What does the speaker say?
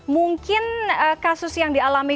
mungkin kasus yang dialami